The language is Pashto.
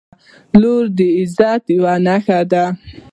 • لور د عزت یوه نښه ده.